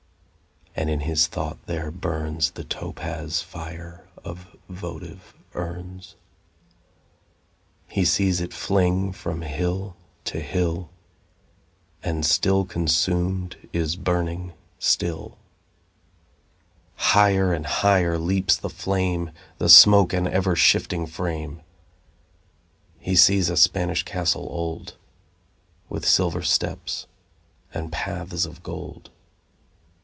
And in his thought there burns The topaz fire of votive urns. He sees it fling from hill to hill, And still consumed, is burning still. Higher and higher leaps the flame, The smoke an ever shifting frame. He sees a Spanish Castle old, With silver steps and paths of gold.